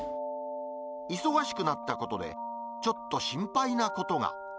忙しくなったことで、ちょっと心配なことが。